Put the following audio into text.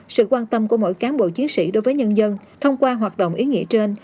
sự quan tâm của mỗi cán bộ chiến sĩ đối với nhân dân thông qua hoạt động ý nghĩa trên